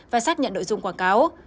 và xác nhận nội dung quảng cáo